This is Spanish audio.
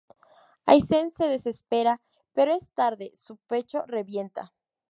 Aizen se desespera, pero es tarde, su pecho revienta.